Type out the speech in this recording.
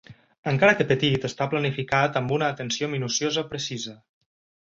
Encara que petit, està planificat amb una atenció minuciosa precisa.